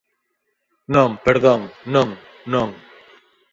Non, perdón, non, non.